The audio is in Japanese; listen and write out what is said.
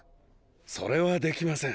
それはできません